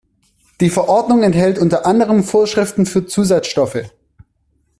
Die Verordnung enthält unter anderem Vorschriften für Zusatzstoffe.